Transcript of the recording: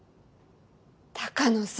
鷹野さん